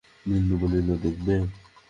বিন্দু বলিল, দেখবে?